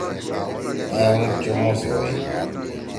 أنگ چُمو سی ہوئی۔